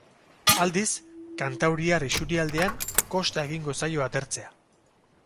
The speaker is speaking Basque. Aldiz, kantauriar isurialdean kosta egingo zaio atertzea.